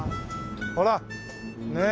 ほらねえ。